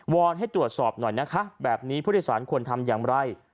อนให้ตรวจสอบหน่อยนะคะแบบนี้ผู้โดยสารควรทำอย่างไร